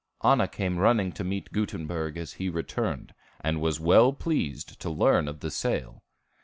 Anna came running to meet Gutenberg as he returned, and was well pleased to learn of the sale.